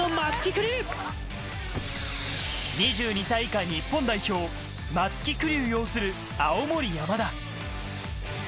２２歳以下日本代表・松木玖生擁する青森山田。